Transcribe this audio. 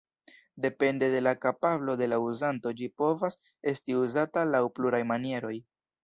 Depende de la kapablo de la uzanto, ĝi povas esti uzata laŭ pluraj manieroj.